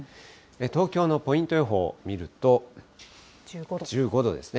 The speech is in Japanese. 東京のポイント予報を見ると、１５度ですね。